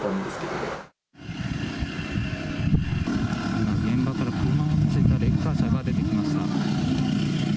今、現場から車を乗せたレッカー車が出てきました。